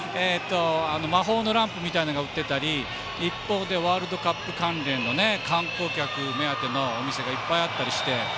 魔法のランプみたいなのが売っていたり一方で、ワールドカップ関連の観光客目当てのお店がいっぱいあったりして。